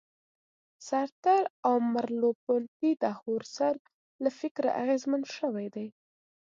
سارتر او مرلوپونتې د هوسرل له فکره اغېزمن شوي دي.